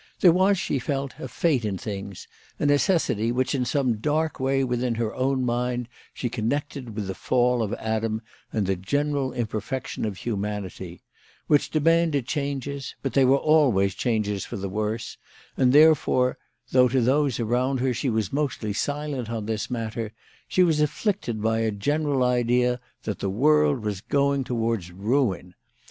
There was, she felt, a fate in things, a necessity which, in some dark way within her own mind, she connected with the fall of Adam and the general imperfection of humanity, which de manded changes, but they were always changes for the worse; and therefore, though to those around her she was mostly silent on this matter, she was afflicted by a general idea that the world was going on towards ruin.